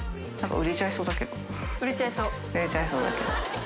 売れちゃいそうだけど。